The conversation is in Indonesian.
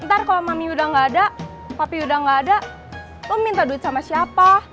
ntar kalau mami udah gak ada kopi udah gak ada lo minta duit sama siapa